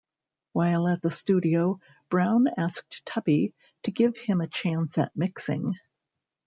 While at the studio, Brown asked Tubby to give him a chance at mixing.